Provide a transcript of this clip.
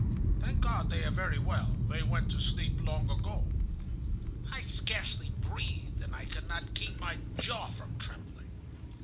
"'Thank God, they are very well. They went to sleep long ago.' "I scarcely breathed, and I could not keep my jaw from trembling.